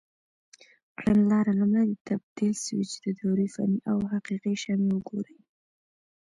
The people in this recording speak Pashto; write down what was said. کړنلاره: لومړی د تبدیل سویچ د دورې فني او حقیقي شمې وګورئ.